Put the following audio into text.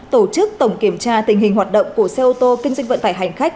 tổ chức tổng kiểm tra tình hình hoạt động của xe ô tô kinh doanh vận tải hành khách